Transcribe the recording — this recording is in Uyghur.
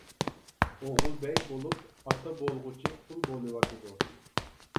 ئوغۇل بەگ بولۇپ، ئاتا بولغۇچى قۇل بولۇۋاتىدۇ.